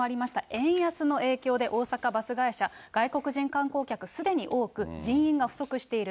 円安の影響で大阪のバス会社、外国人観光客すでに多く、人員が不足している。